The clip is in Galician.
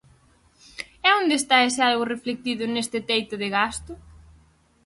¿E onde está ese algo reflectido neste teito de gasto?